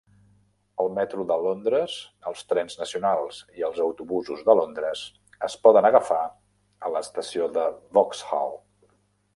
El metro de Londres, els trens nacionals i els autobusos de Londres es poden agafar a l"estació de Vauxhall.